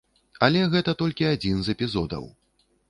Але гэта толькі адзін з эпізодаў.